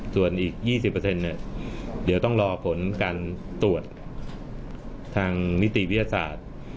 ส่วนอีก๒๐เดี๋ยวต้องรอผลการตรวจทางนิติวิทยาศาสตร์